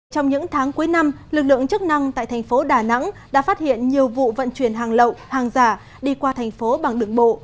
trong những tháng cuối năm lực lượng chức năng tại thành phố đà nẵng đã phát hiện nhiều vụ vận chuyển hàng lậu hàng giả đi qua thành phố bằng đường bộ